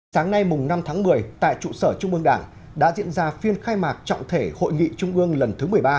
sáng nay năm tháng một mươi tại trụ sở trung ương đảng đã diễn ra phiên khai mạc trọng thể hội nghị trung ương lần thứ một mươi ba